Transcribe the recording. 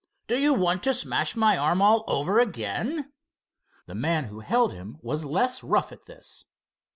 "Do you want to smash my arm all over again?" The man who held him was less rough at this.